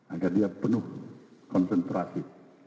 agar dia penuh konsentrasi